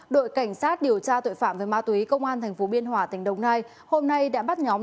đội cảnh sát điều tra tội phạm về ma túy công an tp biên hòa tỉnh đồng nai hôm nay đã bắt nhóm